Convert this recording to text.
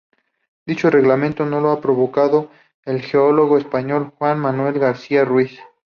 Dicho replanteamiento lo ha provocado el geólogo español Juan Manuel García Ruiz.